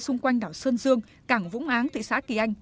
xung quanh đảo sơn dương cảng vũng áng thị xã kỳ anh